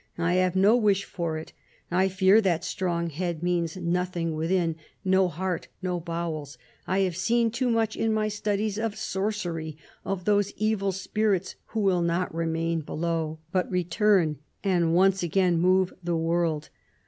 I have no wish for it. I fear that strong head means nothing within— no heart, no bowels. I have seen too much, in my studies of sorcery, of those evil spirits who will not remain below, but return, and once again move the world.